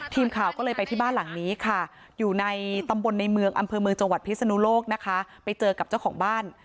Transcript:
ทีมข่าวก็เลยไปที่บ้านหลังนี้ค่ะอยู่ในตำบลในเมืองอำเภอเมืองจังหวัดพิศนุโลกนะคะไปเจอกับเจ้าของบ้าน